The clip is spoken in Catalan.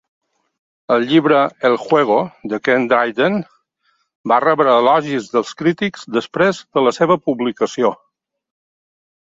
El llibre 'El Juego', de Ken Dryden, va rebre elogis dels crítics després de la seva publicació.